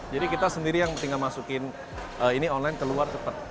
jadi kita sendiri yang tinggal masukin ini online keluar cepat